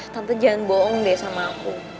tante jangan bohong deh sama aku